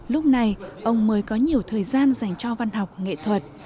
lúc này ông mới có nhiều thời gian dành cho văn học nghệ thuật